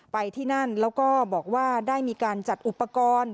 ไปที่นั่นแล้วก็บอกว่าได้มีการจัดอุปกรณ์